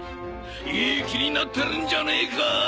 いい気になってるんじゃねえか？